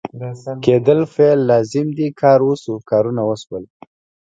کېدل فعل لازم دی کار وشو ، کارونه وشول